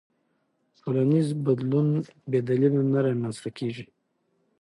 ټولنیز بدلون بې دلیله نه رامنځته کېږي.